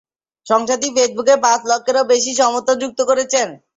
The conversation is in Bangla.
সংস্থাটি ফেসবুকে পাঁচ লক্ষেরও বেশি সমর্থক যুক্ত করেছে।